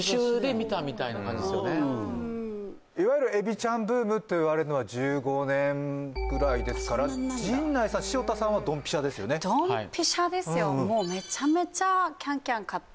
いわゆるエビちゃんブームと言われるのは１５年ぐらいですから陣内さん潮田さんはドンピシャですよねドンピシャですよですよ